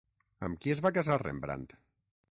Amb qui es va casar Rembrandt?